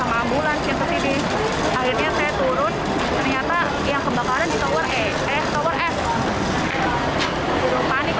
pengambulan cinta sini akhirnya saya turun ternyata yang kebakaran di tower eh eh tower f